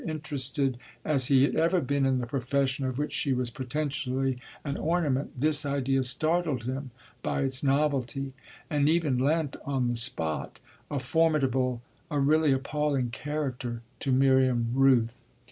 Interested as he had ever been in the profession of which she was potentially an ornament, this idea startled him by its novelty and even lent, on the spot, a formidable, a really appalling character to Miriam Rooth.